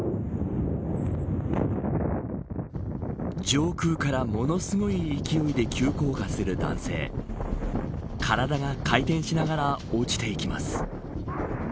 上空からものすごい勢いで急降下する男性体が回転しながら落ちていきます。